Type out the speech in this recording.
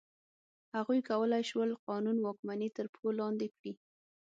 هغوی کولای شول قانون واکمني تر پښو لاندې کړي.